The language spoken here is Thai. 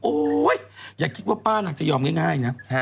อย่าคิดว่าป้านางจะยอมง่ายนะ